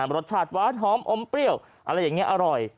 รสชาติหวานหอมอมเปรี้ยวอะไรอย่างนี้อร่อย